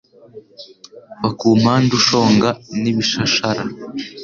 va kumpande ushonga n'ibishashara